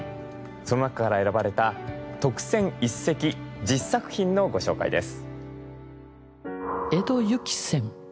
その中から選ばれた特選一席１０作品のご紹介です。